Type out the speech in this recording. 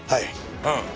うん。